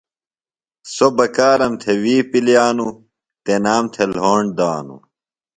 سوۡ بکارم تھےۡ وی پِلیانوۡ۔ تنام تھےۡ لھوݨ دانوۡ۔